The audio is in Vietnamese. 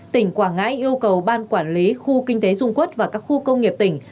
tỉnh quảng ngãi yêu cầu ban quản lý khu kinh tế dung quốc và các khu công nghiệp tỉnh